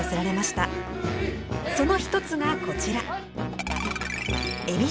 その一つがこちら。